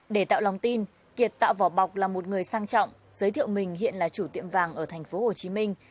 để tạo lòng tin kiệt tạo vỏ bọc là một người sang trọng giới thiệu mình hiện là chủ tiệm vàng ở thành phố hồ chí minh